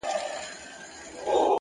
خپل ظرفیت تر شک مه قربانوئ,